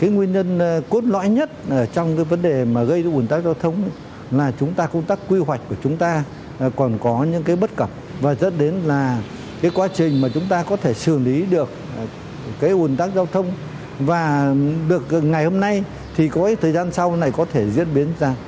nguyên nhân cốt lõi nhất trong vấn đề gây ra ủn tắc giao thông là chúng ta công tác quy hoạch của chúng ta còn có những bất cập và dẫn đến là quá trình mà chúng ta có thể xử lý được ủn tắc giao thông và được ngày hôm nay thì có thời gian sau này có thể diễn biến ra